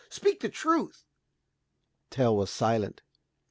Speak the truth." Tell was silent.